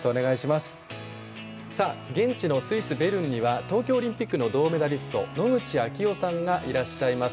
現地のスイス・ベルンには東京オリンピックの銅メダリスト野口啓代さんがいらっしゃいます。